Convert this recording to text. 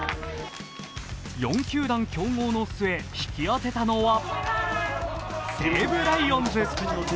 ４球団競合の末、引き当てたのは西武ライオンズ。